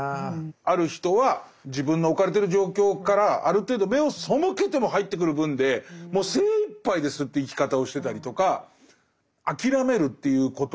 ある人は自分の置かれてる状況からある程度目を背けても入ってくる分でもう精いっぱいですって生き方をしてたりとか。